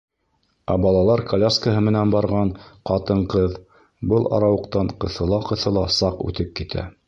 Ә балалар коляскаһы менән барған ҡатын-ҡыҙ был арауыҡтан ҡыҫыла-ҡыҫыла саҡ үтеп китә.